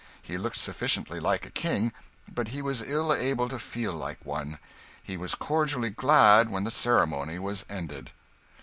He looked sufficiently like a king, but he was ill able to feel like one. He was cordially glad when the ceremony was ended.